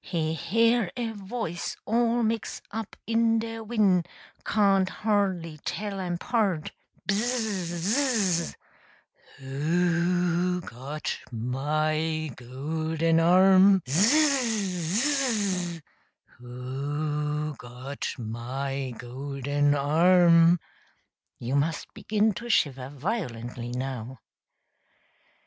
he hear a voice all mix' up in de win' can't hardly tell 'em 'part "Bzzz zzz W h o g o t m y g o l d e n arm? zzz zzz W h o g o t m y g o l d e n arm!" (You must begin to shiver violently now.)